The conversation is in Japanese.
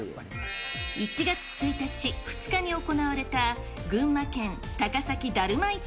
１月１日、２日に行われた群馬県高崎だるま